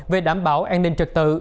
về đảm bảo an ninh trật tự